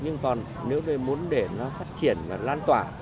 nhưng còn nếu mình muốn để nó phát triển và lan tỏa